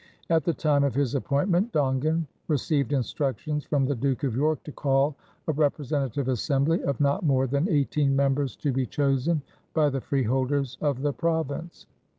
At the time of his appointment Dongan received instructions from the Duke of York to call a representative Assembly of not more than eighteen members to be chosen by the freeholders of the province.